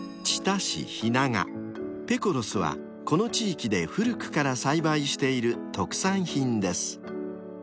［ペコロスはこの地域で古くから栽培している特産品です］